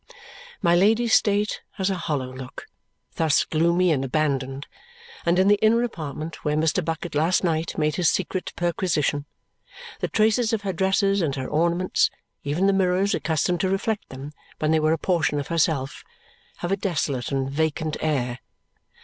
My Lady's state has a hollow look, thus gloomy and abandoned; and in the inner apartment, where Mr. Bucket last night made his secret perquisition, the traces of her dresses and her ornaments, even the mirrors accustomed to reflect them when they were a portion of herself, have a desolate and vacant air.